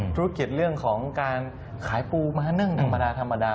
ทุกข์เกียรติเรื่องของการขายปูม้าหนึ่งธรรมดา